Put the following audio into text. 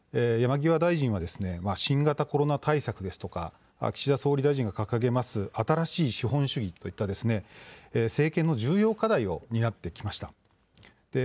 山際大臣は新型コロナ対策ですとか岸田総理大臣が掲げます新しい資本主義といった政権の重要課題を担ってきました。